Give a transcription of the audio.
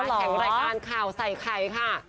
แข่งรายการข่าวใส่ไข่ค่ะ